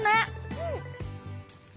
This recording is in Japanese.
うん。